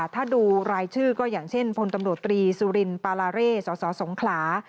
ถ้าดูรายชื่อก็อย่างเช่นพลตำรวจตรีสุรินปาลาเร่สสสงขลา